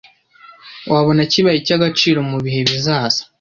wabona kibaye icy’agaciro mu bihe bizaza